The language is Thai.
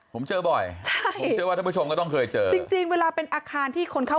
ผมเจอบ่อยใช่ผมเชื่อว่าท่านผู้ชมก็ต้องเคยเจอจริงจริงเวลาเป็นอาคารที่คนเข้า